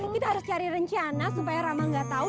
kita harus cari rencana supaya rama gak tau